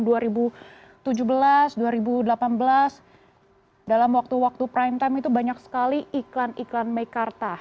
dalam dua ribu tujuh belas dua ribu delapan belas dalam waktu waktu prime time itu banyak sekali iklan iklan mekarta